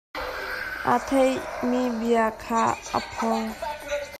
A theihmi bia kha a porh.